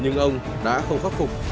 nhưng ông đã không khắc phục